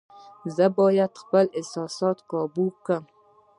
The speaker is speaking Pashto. زه باید خپل احساسات قابو کړم.